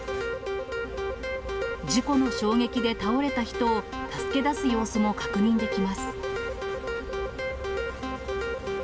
事故の衝撃で倒れた人を助け出す様子も確認できます。